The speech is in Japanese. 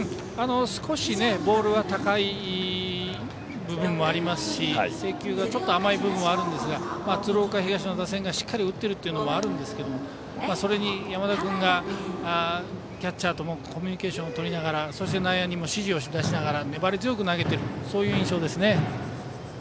少しボールが高い部分もありますし制球がちょっと甘い部分もあるんですが鶴岡東の打線が、しっかり打っているというのもありますがそれに山田君がキャッチャーとうまくコミュニケーションをとりながら内野にも指示を出しながら粘り強く投げているという印象ですね。